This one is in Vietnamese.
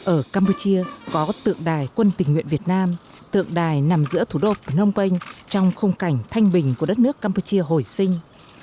ở campuchia có tượng đài quân tình nguyện việt nam tượng đài nằm giữa thủ đô phnom penh trong khung cảnh thanh bình của đất nước campuchia hồi sinh